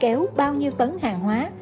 kéo bao nhiêu tấn hàng hóa